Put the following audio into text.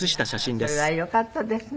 あらそれはよかったですね。